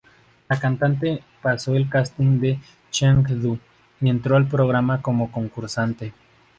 La cantante pasó el casting de Chengdu y entró al programa como concursante.